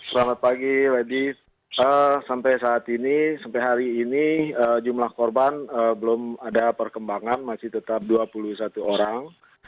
selamat pagi wadid sampai hari ini jumlah korban belum ada perkembangan masih tetap dua puluh satu orang